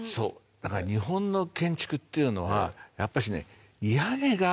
だから日本の建築っていうのはやっぱしね。